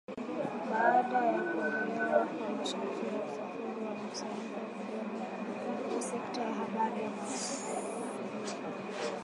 baada ya kuondolewa kwa masharti ya usafiri na mikusanyiko ya kijamii na kuimarishwa kwa sekta ya habari na mawasilia